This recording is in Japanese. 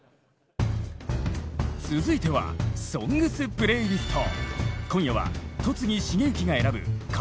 続いては「ＳＯＮＧＳプレイリスト」。